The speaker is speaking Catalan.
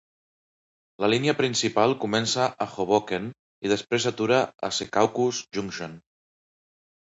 La Línia Principal comença a Hoboken i després s'atura a Secaucus Junction.